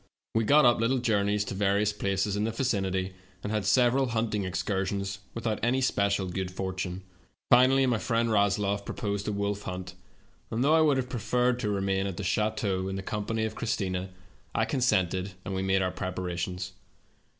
We got up little journeys to various places in the vicinity, and had several hunting excursions, with out any special good fortune. Finally my friend Rasloff proposed a wolf hunt, and though I would have preferred to remain at the chateau in the company of Christina, I consented, and we made our preparations.